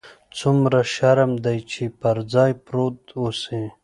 څومره شرم دى چې پر ځاى پروت اوسې.